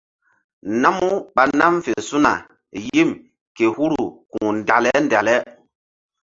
Namu ɓa nam fe su̧na yim ke huru ku̧h ndekle ndekle.